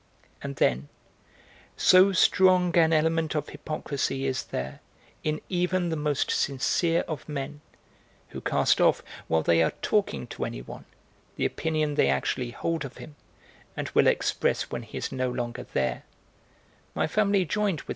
And then, so strong an element of hypocrisy is there in even the most sincere of men, who cast off, while they are talking to anyone, the opinion they actually hold of him and will express when he is no longer there, my family joined with M.